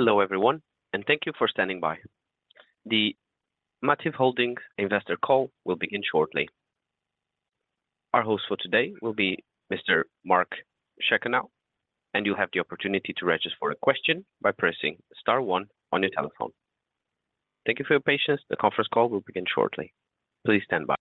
Hello, everyone, and thank you for standing by. The Mativ Holdings investor call will begin shortly. Our host for today will be Mr. Mark Chekanow, and you'll have the opportunity to register for a question by pressing star one on your telephone. Thank you for your patience. The conference call will begin shortly. Please stand by.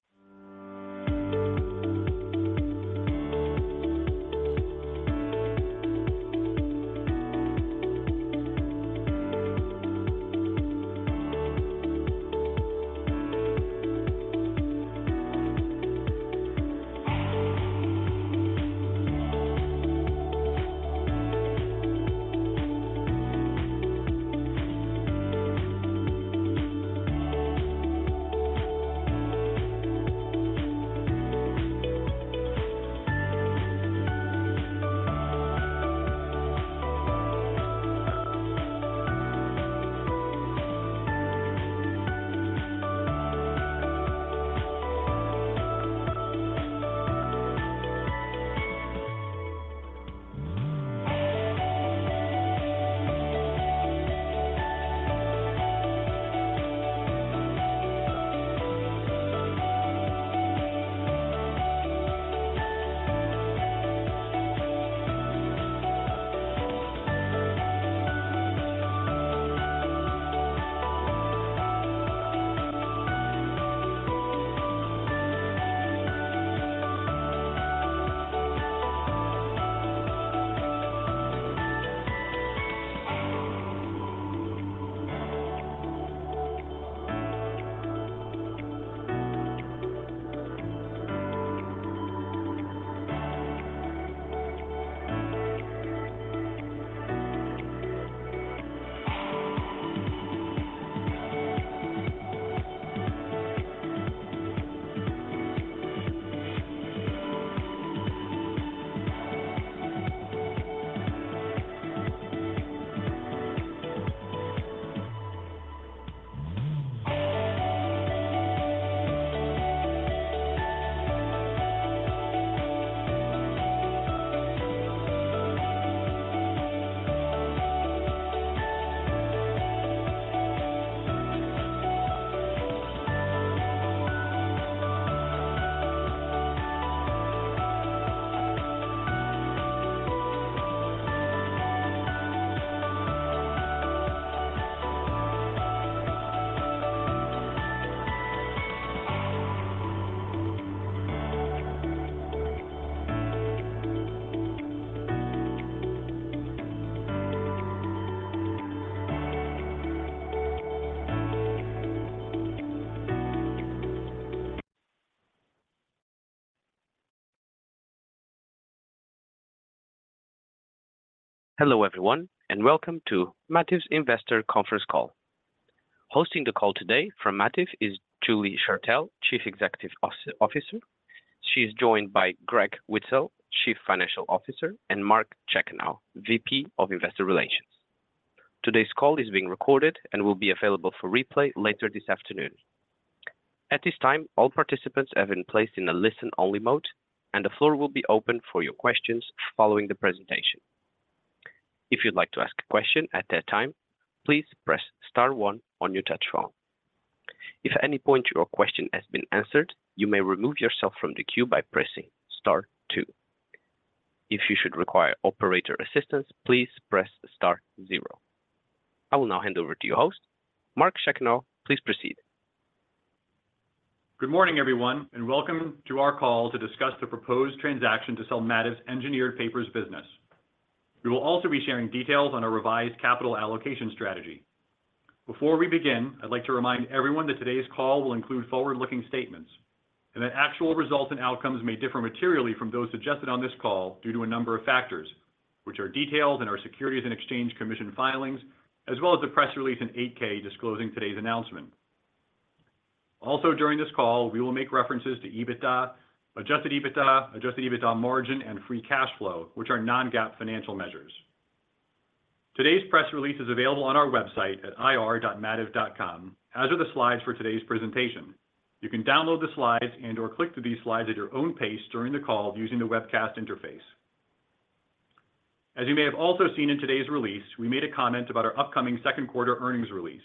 Hello, everyone, and welcome to Mativ's Investor Conference Call. Hosting the call today from Mativ is Julie Shertell, Chief Executive Officer. She's joined by Greg Weitzel, Chief Financial Officer, and Mark Chekanow, VP of Investor Relations. Today's call is being recorded and will be available for replay later this afternoon. At this time, all participants have been placed in a listen-only mode, and the floor will be open for your questions following the presentation. If you'd like to ask a question at that time, please press star one on your touch phone. If at any point your question has been answered, you may remove yourself from the queue by pressing star two. If you should require operator assistance, please press star zero. I will now hand over to you, host. Mark Chekanow, please proceed. Good morning, everyone, and welcome to our call to discuss the proposed transaction to sell Mativ's Engineered Papers business. We will also be sharing details on our revised capital allocation strategy. Before we begin, I'd like to remind everyone that today's call will include forward-looking statements and that actual results and outcomes may differ materially from those suggested on this call due to a number of factors, which are detailed in our Securities and Exchange Commission filings, as well as the press release in 8-K disclosing today's announcement. Also, during this call, we will make references to EBITDA, adjusted EBITDA, adjusted EBITDA margin, and free cash flow, which are non-GAAP financial measures. Today's press release is available on our website at ir.mativ.com, as are the slides for today's presentation. You can download the slides and/or click through these slides at your own pace during the call using the webcast interface. As you may have also seen in today's release, we made a comment about our upcoming Q2 earnings release.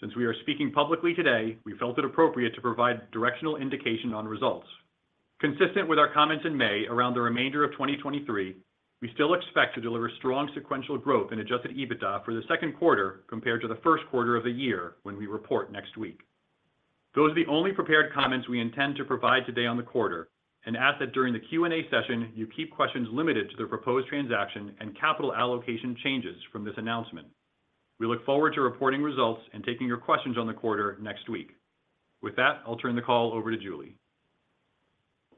Since we are speaking publicly today, we felt it appropriate to provide directional indication on results. Consistent with our comments in May, around the remainder of 2023, we still expect to deliver strong sequential growth in adjusted EBITDA for the Q2 compared to the Q1 of the year when we report next week. Those are the only prepared comments we intend to provide today on the quarter and ask that during the Q&A session, you keep questions limited to the proposed transaction and capital allocation changes from this announcement. We look forward to reporting results and taking your questions on the quarter next week. With that, I'll turn the call over to Julie.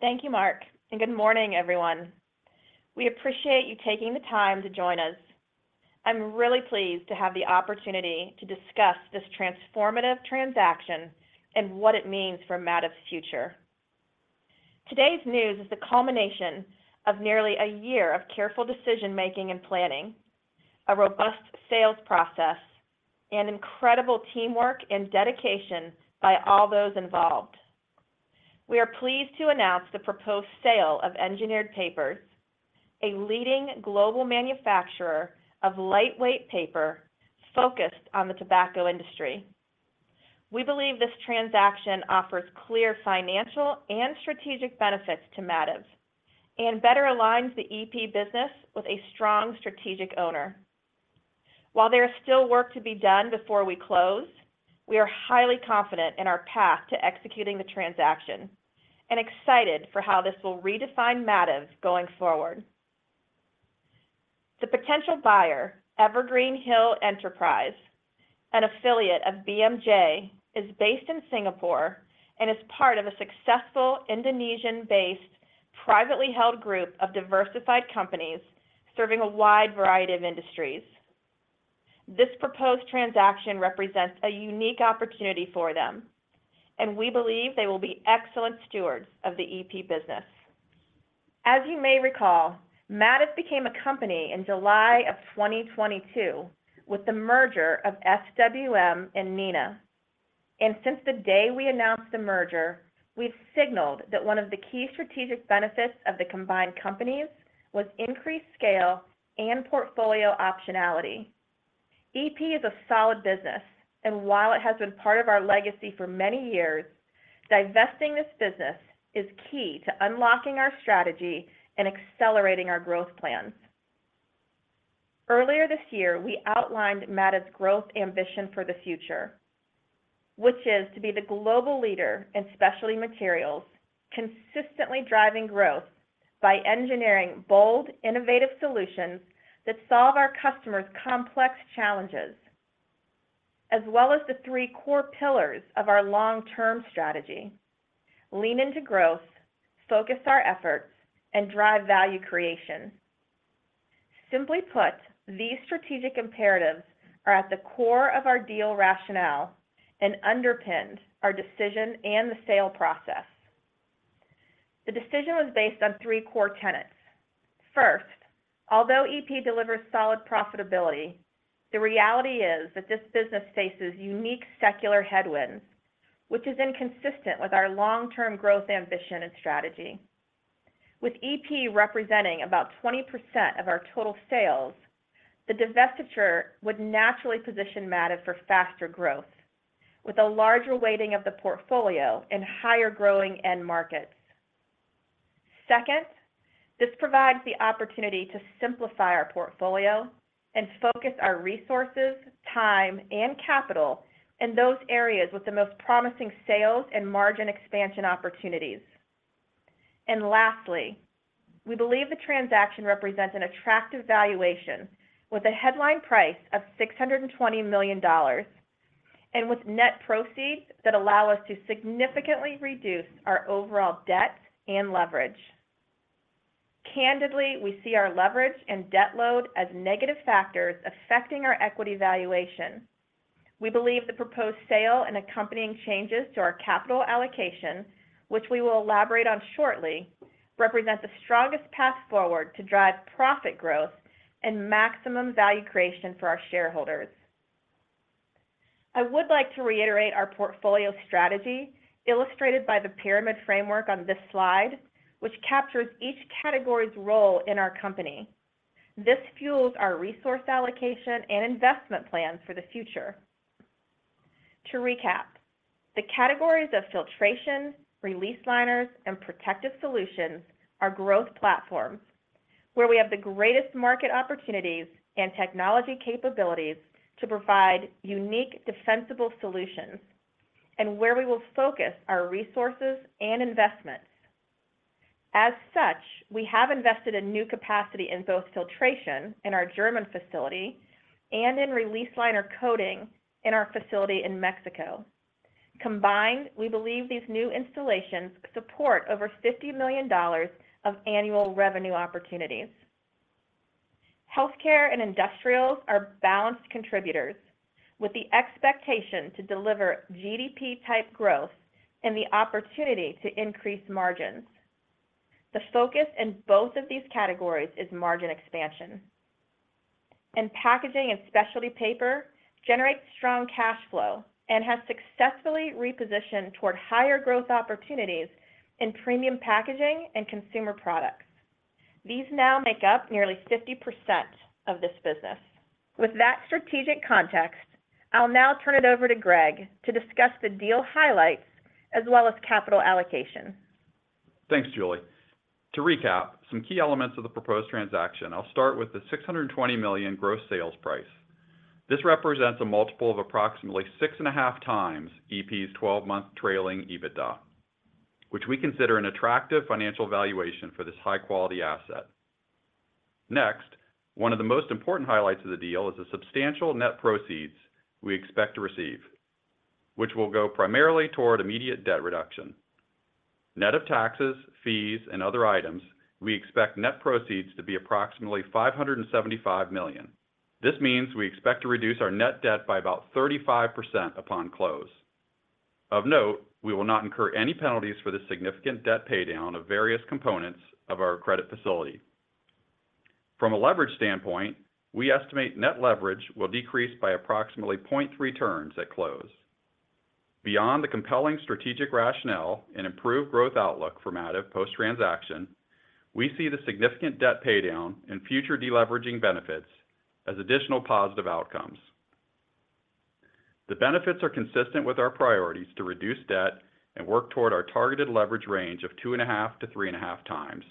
Thank you, Mark. Good morning, everyone. We appreciate you taking the time to join us. I'm really pleased to have the opportunity to discuss this transformative transaction and what it means for Mativ's future. Today's news is the culmination of nearly a year of careful decision-making and planning, a robust sales process, and incredible teamwork and dedication by all those involved. We are pleased to announce the proposed sale of Engineered Papers, a leading global manufacturer of lightweight paper focused on the tobacco industry. We believe this transaction offers clear financial and strategic benefits to Mativ and better aligns the EP business with a strong strategic owner. While there is still work to be done before we close, we are highly confident in our path to executing the transaction and excited for how this will redefine Mativ going forward. The potential buyer, Evergreen Hill Enterprise, an affiliate of BMJ, is based in Singapore and is part of a successful Indonesian-based, privately held group of diversified companies serving a wide variety of industries. This proposed transaction represents a unique opportunity for them. We believe they will be excellent stewards of the EP business. As you may recall, Mativ became a company in July of 2022 with the merger of SWM and Neenah. Since the day we announced the merger, we've signaled that one of the key strategic benefits of the combined companies was increased scale and portfolio optionality. EP is a solid business, and while it has been part of our legacy for many years, divesting this business is key to unlocking our strategy and accelerating our growth plans. Earlier this year, we outlined Mativ's growth ambition for the future, which is to be the global leader in specialty materials, consistently driving growth by engineering bold, innovative solutions that solve our customers' complex challenges, as well as the three core pillars of our long-term strategy: lean into growth, focus our efforts, and drive value creation. Simply put, these strategic imperatives are at the core of our deal rationale and underpinned our decision and the sale process. The decision was based on three core tenets. First, although EP delivers solid profitability, the reality is that this business faces unique secular headwinds, which is inconsistent with our long-term growth, ambition, and strategy. With EP representing about 20% of our total sales, the divestiture would naturally position Mativ for faster growth, with a larger weighting of the portfolio in higher-growing end markets. Second, this provides the opportunity to simplify our portfolio and focus our resources, time, and capital in those areas with the most promising sales and margin expansion opportunities. Lastly, we believe the transaction represents an attractive valuation with a headline price of $620 million, and with net proceeds that allow us to significantly reduce our overall debt and leverage. Candidly, we see our leverage and debt load as negative factors affecting our equity valuation. We believe the proposed sale and accompanying changes to our capital allocation, which we will elaborate on shortly, represent the strongest path forward to drive profit growth and maximum value creation for our shareholders. I would like to reiterate our portfolio strategy, illustrated by the pyramid framework on this slide, which captures each category's role in our company. This fuels our resource allocation and investment plans for the future. To recap, the categories of Filtration, Release Liners, and Protective Solutions are growth platforms where we have the greatest market opportunities and technology capabilities to provide unique, defensible solutions and where we will focus our resources and investments. As such, we have invested in new capacity in both Filtration in our German facility and in release liner coating in our facility in Mexico. Combined, we believe these new installations support over $50 million of annual revenue opportunities. Healthcare and Industrials are balanced contributors with the expectation to deliver GDP-type growth and the opportunity to increase margins. The focus in both of these categories is margin expansion. Packaging and Specialty Paper generates strong cash flow and has successfully repositioned toward higher growth opportunities in premium packaging and consumer products. These now make up nearly 50% of this business. With that strategic context, I'll now turn it over to Greg to discuss the deal highlights as well as capital allocation. Thanks, Julie. To recap some key elements of the proposed transaction, I'll start with the $620 million gross sales price. This represents a multiple of approximately 6.5x EP's 12-month trailing EBITDA, which we consider an attractive financial valuation for this high-quality asset. Next, one of the most important highlights of the deal is the substantial net proceeds we expect to receive, which will go primarily toward immediate debt reduction. Net of taxes, fees, and other items, we expect net proceeds to be approximately $575 million. This means we expect to reduce our net debt by about 35% upon close. Of note, we will not incur any penalties for this significant debt paydown of various components of our credit facility. From a leverage standpoint, we estimate net leverage will decrease by approximately 0.3 turns at close. Beyond the compelling strategic rationale and improved growth outlook for Mativ post-transaction, we see the significant debt paydown and future deleveraging benefits as additional positive outcomes. The benefits are consistent with our priorities to reduce debt and work toward our targeted leverage range of 2.5x to 3.5x.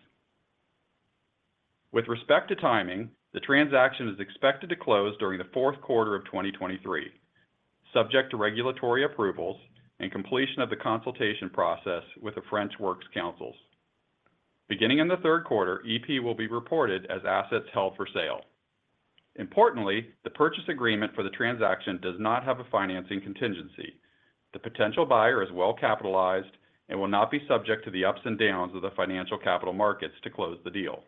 With respect to timing, the transaction is expected to close during the Q4 of 2023, subject to regulatory approvals and completion of the consultation process with the French works councils. Beginning in the Q3, EP will be reported as assets held for sale. Importantly, the purchase agreement for the transaction does not have a financing contingency. The potential buyer is well-capitalized and will not be subject to the ups and downs of the financial capital markets to close the deal.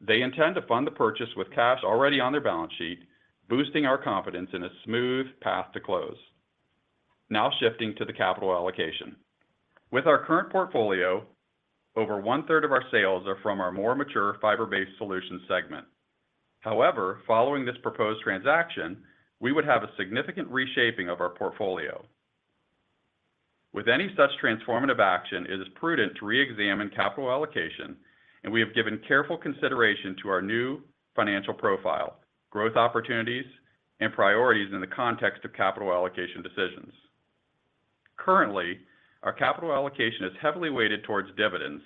They intend to fund the purchase with cash already on their balance sheet, boosting our confidence in a smooth path to close. Shifting to the capital allocation. With our current portfolio, over one-third of our sales are from our more mature Fiber-Based Solutions segment. Following this proposed transaction, we would have a significant reshaping of our portfolio. With any such transformative action, it is prudent to reexamine capital allocation, and we have given careful consideration to our new financial profile, growth opportunities, and priorities in the context of capital allocation decisions. Our capital allocation is heavily weighted towards dividends,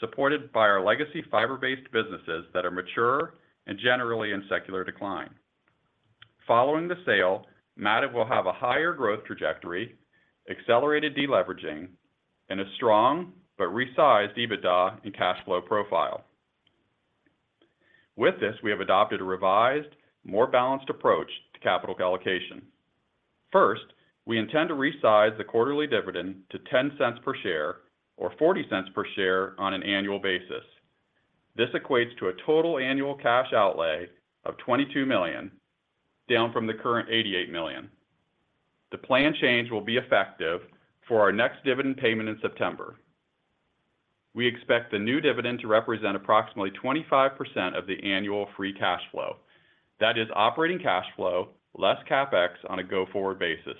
supported by our legacy Fiber-Based businesses that are mature and generally in secular decline. Following the sale, Mativ will have a higher growth trajectory, accelerated deleveraging, and a strong but resized EBITDA and cash flow profile. With this, we have adopted a revised, more balanced approach to capital allocation. First, we intend to resize the quarterly dividend to $0.10 per share, or $0.40 per share on an annual basis. This equates to a total annual cash outlay of $22 million, down from the current $88 million. The plan change will be effective for our next dividend payment in September. We expect the new dividend to represent approximately 25% of the annual free cash flow. That is operating cash flow, less CapEx on a go-forward basis.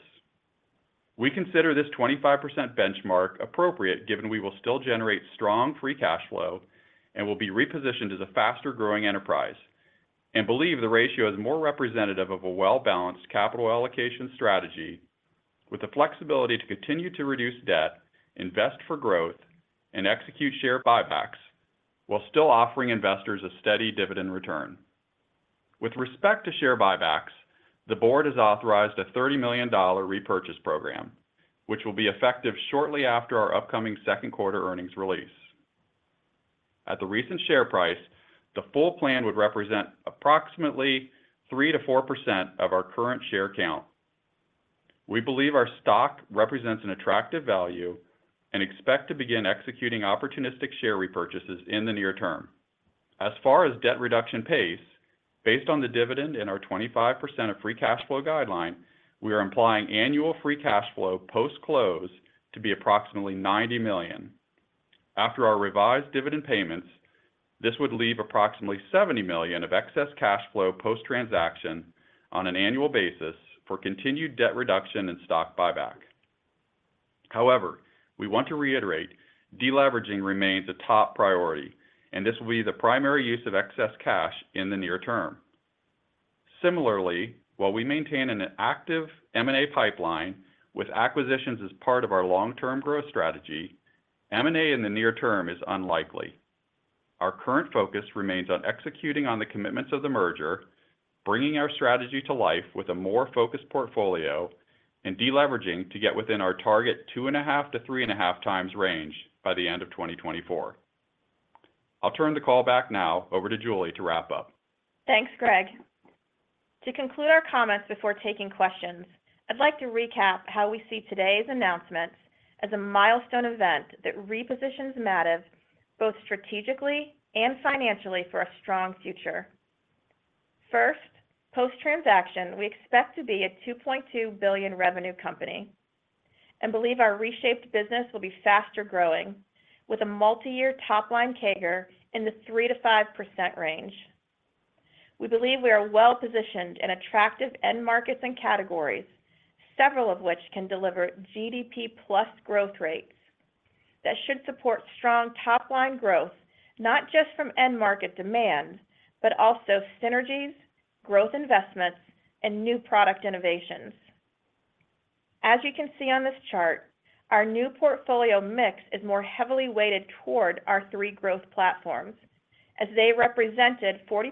We consider this 25% benchmark appropriate, given we will still generate strong free cash flow and will be repositioned as a faster-growing enterprise, and believe the ratio is more representative of a well-balanced capital allocation strategy with the flexibility to continue to reduce debt, invest for growth, and execute share buybacks, while still offering investors a steady dividend return. With respect to share buybacks, the board has authorized a $30 million repurchase program, which will be effective shortly after our upcoming Q2 earnings release. At the recent share price, the full plan would represent approximately 3% to 4% of our current share count. We believe our stock represents an attractive value and expect to begin executing opportunistic share repurchases in the near term. As far as debt reduction pace, based on the dividend and our 25% of free cash flow guideline, we are implying annual free cash flow post-close to be approximately $90 million. After our revised dividend payments, this would leave approximately $70 million of excess cash flow post-transaction on an annual basis for continued debt reduction and stock buyback. We want to reiterate, deleveraging remains a top priority, and this will be the primary use of excess cash in the near term. While we maintain an active M&A pipeline with acquisitions as part of our long-term growth strategy, M&A in the near term is unlikely. Our current focus remains on executing on the commitments of the merger, bringing our strategy to life with a more focused portfolio, and deleveraging to get within our target 2.5x to 3.5x range by the end of 2024. I'll turn the call back now over to Julie to wrap up. Thanks, Greg. To conclude our comments before taking questions, I'd like to recap how we see today's announcements as a milestone event that repositions Mativ both strategically and financially for a strong future. First, post-transaction, we expect to be a $2.2 billion revenue company and believe our reshaped business will be faster-growing, with a multi-year top-line CAGR in the 3% to 5% range. We believe we are well-positioned in attractive end markets and categories, several of which can deliver GDP plus growth rates that should support strong top-line growth, not just from end market demand, but also synergies, growth investments, and new product innovations. As you can see on this chart, our new portfolio mix is more heavily weighted toward our three growth platforms, as they represented 40%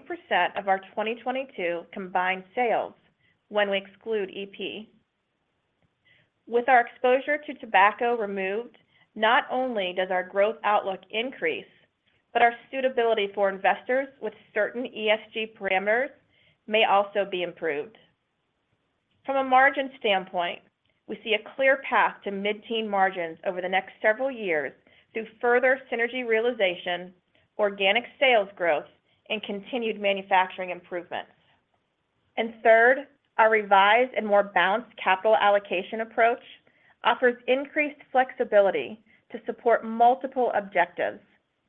of our 2022 combined sales when we exclude EP. With our exposure to tobacco removed, not only does our growth outlook increase, but our suitability for investors with certain ESG parameters may also be improved. From a margin standpoint, we see a clear path to mid-teen margins over the next several years through further synergy realization, organic sales growth, and continued manufacturing improvements. Third, our revised and more balanced capital allocation approach offers increased flexibility to support multiple objectives,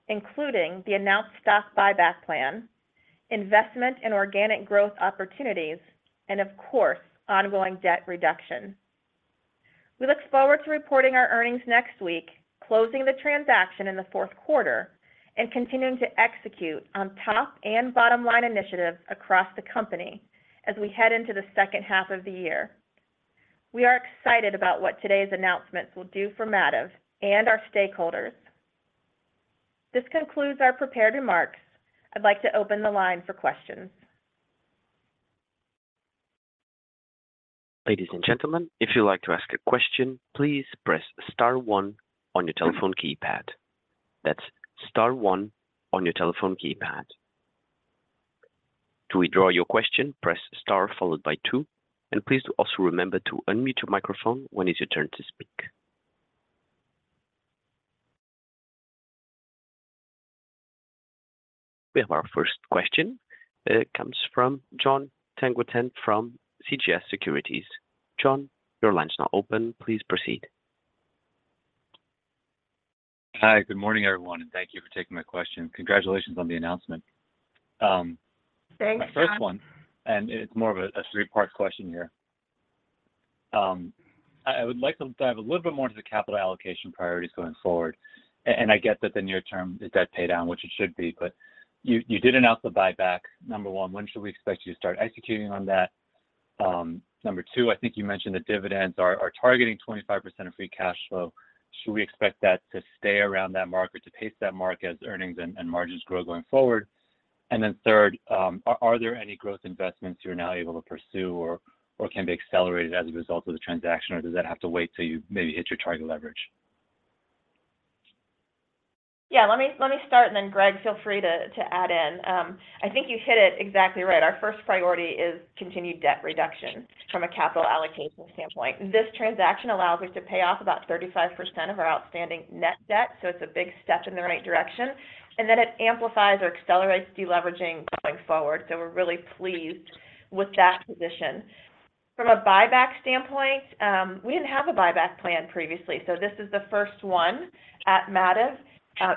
including the announced stock buyback plan, investment in organic growth opportunities, and of course, ongoing debt reduction. We look forward to reporting our earnings next week, closing the transaction in the Q4, and continuing to execute on top and bottom-line initiatives across the company as we head into the H2 of the year. We are excited about what today's announcements will do for Mativ and our stakeholders. This concludes our prepared remarks. I'd like to open the line for questions. Ladies and gentlemen, if you'd like to ask a question, please press star one on your telephone keypad. That's star one on your telephone keypad. To withdraw your question, press star followed by two, and please also remember to unmute your microphone when it's your turn to speak. We have our first question. It comes from Toon Tangutun from CGS Securities. Toon, your line is now open. Please proceed. Hi, good morning, everyone, and thank you for taking my question. Congratulations on the announcement. Thanks, Toon. My first one, and it's more of a, a three-part question here. I, I would like to dive a little bit more into the capital allocation priorities going forward. I get that the near term is debt pay down, which it should be, but you, you did announce the buyback. Number one, when should we expect you to start executing on that? Number two, I think you mentioned the dividends are, are targeting 25% of free cash flow. Should we expect that to stay around that mark or to pace that mark as earnings and, and margins grow going forward? Third, are, are there any growth investments you're now able to pursue or, or can be accelerated as a result of the transaction, or does that have to wait till you maybe hit your target leverage? Yeah, let me, let me start, and then Greg, feel free to add in. I think you hit it exactly right. Our first priority is continued debt reduction from a capital allocation standpoint. This transaction allows us to pay off about 35% of our outstanding net debt. It's a big step in the right direction. Then it amplifies or accelerates deleveraging going forward. We're really pleased with that position. From a buyback standpoint, we didn't have a buyback plan previously. This is the first one at Mativ. It,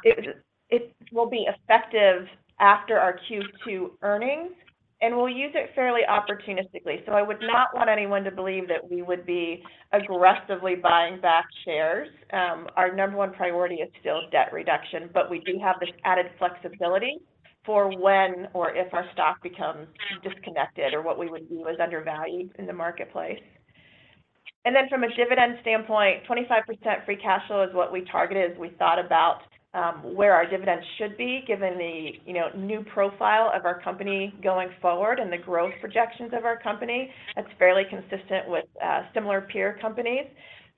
it will be effective after our Q2 earnings. We'll use it fairly opportunistically. I would not want anyone to believe that we would be aggressively buying back shares. Our number one priority is still debt reduction, but we do have this added flexibility for when or if our stock becomes disconnected or what we would view as undervalued in the marketplace. From a dividend standpoint, 25% free cash flow is what we targeted as we thought about where our dividends should be, given the, you know, new profile of our company going forward and the growth projections of our company. That's fairly consistent with similar peer companies,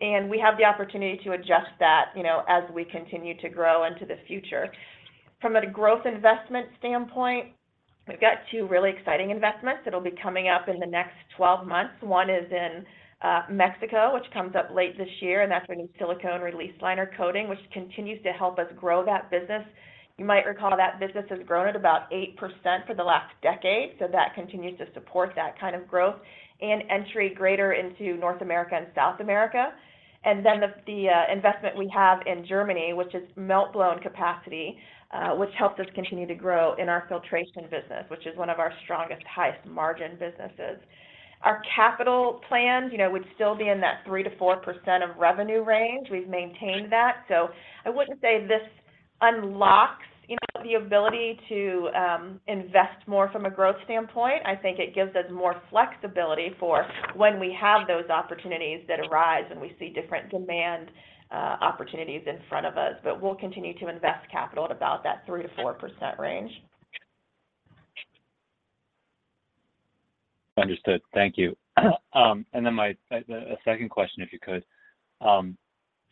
and we have the opportunity to adjust that, you know, as we continue to grow into the future. From a growth investment standpoint, we've got two really exciting investments that'll be coming up in the next 12 months. One is in Mexico, which comes up late this year, and that's in silicone release liner coating, which continues to help us grow that business. You might recall that business has grown at about 8% for the last decade, that continues to support that kind of growth and entry greater into North America and South America. The investment we have in Germany, which is melt-blown capacity, which helps us continue to grow in our Filtration business, which is one of our strongest, highest margin businesses. Our capital plans, you know, would still be in that 3% to 4% of revenue range. We've maintained that. I wouldn't say this unlocks, you know, the ability to invest more from a growth standpoint. I think it gives us more flexibility for when we have those opportunities that arise and we see different demand opportunities in front of us. We'll continue to invest capital at about that 3% to 4% range. Understood. Thank you. My second question, if you could.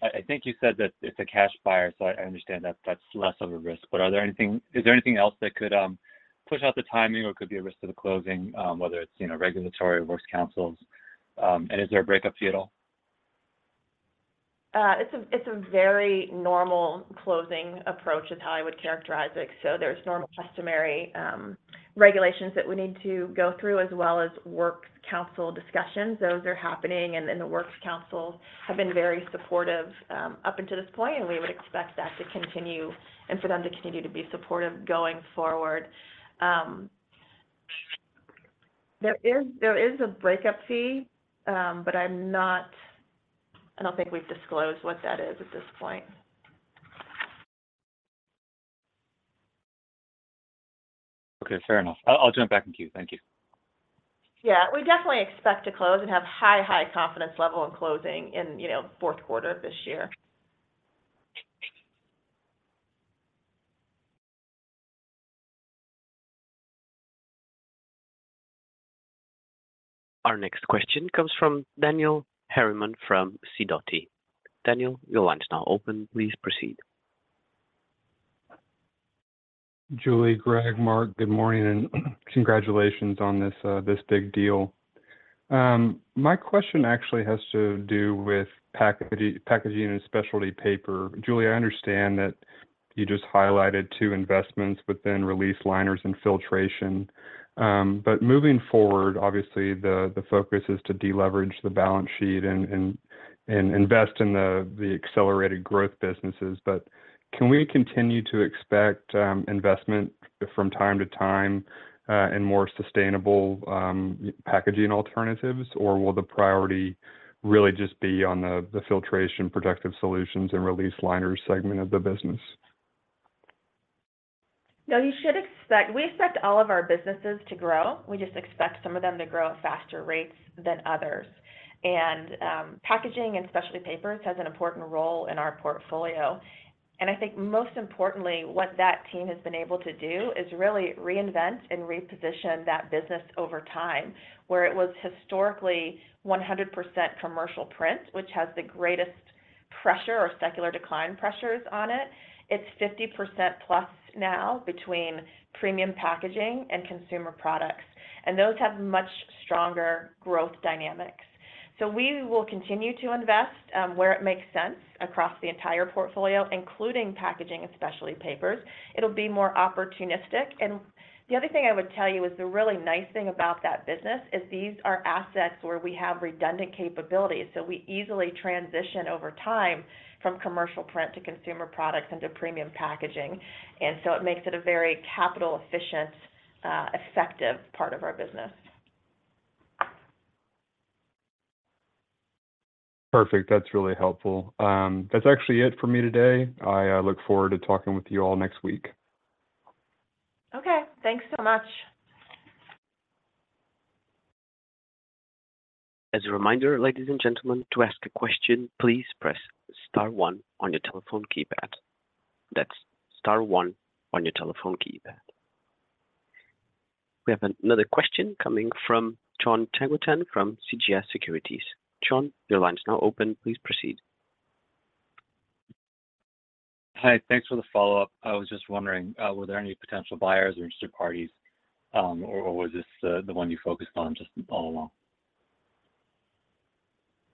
I think you said that it's a cash buyer, so I understand that that's less of a risk. Is there anything else that could push out the timing or could be a risk to the closing, whether it's, you know, regulatory or works councils? Is there a breakup fee at all? It's a, it's a very normal closing approach is how I would characterize it. There's normal customary regulations that we need to go through, as well as works council discussions. Those are happening, and then the works council have been very supportive up until this point, and we would expect that to continue and for them to continue to be supportive going forward. There is, there is a breakup fee, but I don't think we've disclosed what that is at this point. Okay, fair enough. I'll, I'll jump back in queue. Thank you. Yeah, we definitely expect to close and have high, high confidence level in closing in, you know, Q4 of this year. Our next question comes from Daniel Harriman from Sidoti. Daniel, your line is now open. Please proceed. Julie, Greg, Mark, good morning, congratulations on this, this big deal. My question actually has to do with Packaging and Specialty Paper. Julie, I understand that you just highlighted two investments within Release Liners and Filtration. Moving forward, obviously the, the focus is to deleverage the balance sheet and, and, and invest in the, the accelerated growth businesses. Can we continue to expect investment from time to time in more sustainable packaging alternatives? Will the priority really just be on the, the Filtration, Protective Solutions, and Release Liners segment of the business? We expect all of our businesses to grow. We just expect some of them to grow at faster rates than others. Packaging and Specialty Papers has an important role in our portfolio. I think most importantly, what that team has been able to do is really reinvent and reposition that business over time, where it was historically 100% commercial print, which has the greatest pressure or secular decline pressures on it. It's 50% plus now between premium packaging and consumer products, and those have much stronger growth dynamics. We will continue to invest where it makes sense across the entire portfolio, including Packaging and Specialty Papers. It'll be more opportunistic. The other thing I would tell you is the really nice thing about that business is these are assets where we have redundant capabilities, so we easily transition over time from commercial print to consumer products and to premium packaging. It makes it a very capital efficient, effective part of our business. Perfect. That's really helpful. That's actually it for me today. I look forward to talking with you all next week. Okay. Thanks so much. As a reminder, ladies and gentlemen, to ask a question, please press star one on your telephone keypad. That's star one on your telephone keypad. We have another question coming from Toon Tangutun from CGS Securities. Toon, your line is now open. Please proceed. Hi, thanks for the follow-up. I was just wondering, were there any potential buyers or interested parties, or was this the, the one you focused on just all along?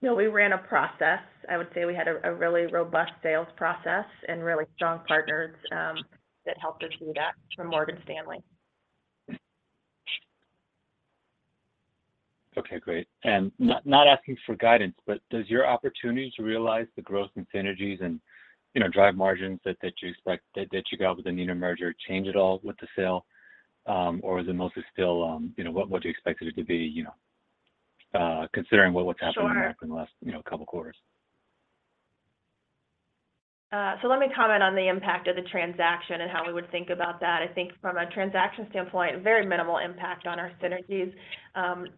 No, we ran a process. I would say we had a really robust sales process and really strong partners, that helped us through that from Morgan Stanley. Okay, great. Not, not asking for guidance, but does your opportunity to realize the growth and synergies and, you know, drive margins that, that you expect, that, that you got with the Neenah merger change at all with the sale? Or is it mostly still, you know, what, what do you expect it to be, you know, considering what, what's happened Sure. in the last, you know, couple of quarters? Let me comment on the impact of the transaction and how we would think about that. I think from a transaction standpoint, very minimal impact on our synergies.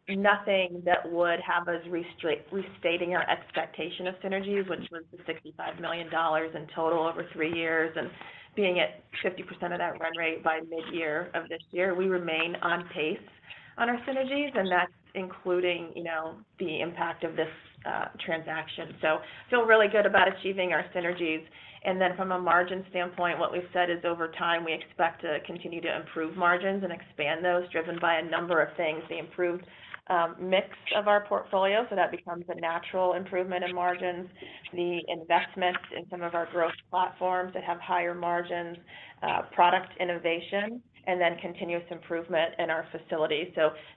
Nothing that would have us restating our expectation of synergies, which was the $65 million in total over three years, and being at 50% of that run rate by mid-year of this year. We remain on pace on our synergies, and that's including, you know, the impact of this transaction. Feel really good about achieving our synergies. From a margin standpoint, what we've said is over time, we expect to continue to improve margins and expand those, driven by a number of things: the improved mix of our portfolio, so that becomes a natural improvement in margins, the investments in some of our growth platforms that have higher margins, product innovation, and then continuous improvement in our facilities.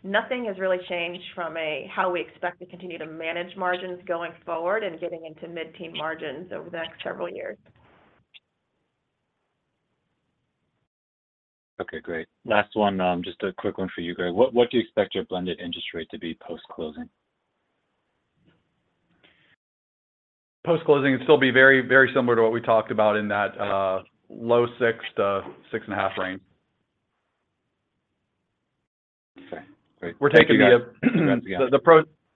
Nothing has really changed from a, how we expect to continue to manage margins going forward and getting into mid-teen margins over the next several years. Okay, great. Last one, just a quick one for you, Greg. What, what do you expect your blended interest rate to be post-closing? Post-closing, it'll still be very, very similar to what we talked about in that, low 6 to 6.5 range. Okay, great.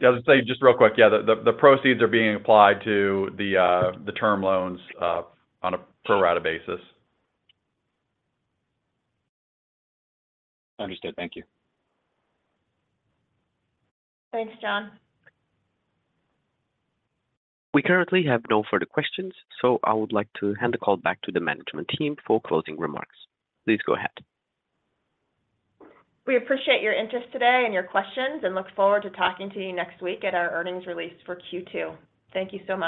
Yeah, I'll say just real quick, yeah, the proceeds are being applied to the term loans on a pro rata basis. Understood. Thank you. Thanks, Toon. We currently have no further questions. I would like to hand the call back to the management team for closing remarks. Please go ahead. We appreciate your interest today and your questions, and look forward to talking to you next week at our earnings release for Q2. Thank you so much.